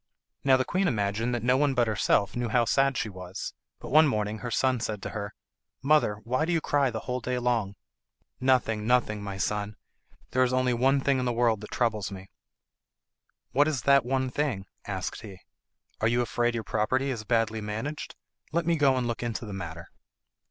Now the queen imagined that no one but herself knew how sad she was, but one morning her son said to her, "Mother, why do you cry the whole day long?" "Nothing, nothing, my son; there is only one thing in the world that troubles me." "What is that one thing?" asked he. "Are you afraid your property is badly managed? Let me go and look into the matter."